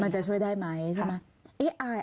จะช่วยได้ไหมใช่ไหม